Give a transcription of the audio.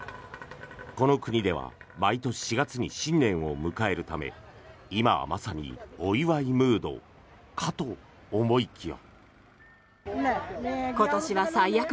この国では毎年４月に新年を迎えるため今はまさにお祝いムードかと思いきや。